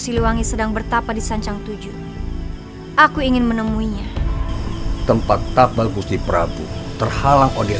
siliwangi sedang bertapa di sancang tujuh aku ingin menemuinya tempat tapal gusti prabu terhalang odir